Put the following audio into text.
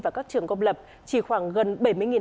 vào các trường công lập chỉ khoảng gần